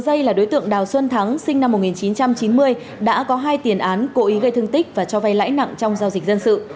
đường dây là đối tượng đào xuân thắng sinh năm một nghìn chín trăm chín mươi đã có hai tiền án cố ý gây thương tích và cho vay lãi nặng trong giao dịch dân sự